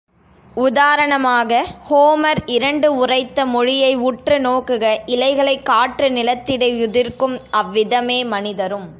உதாரணமாக ஹோமர் இரண்டு உரைத்த மொழியை உற்று நோக்குக இலைகளைக் காற்று நிலத்திடை யுதிர்க்கும் அவ்விதமே மனிதரும்.